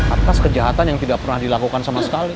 atas kejahatan yang tidak pernah dilakukan sama sekali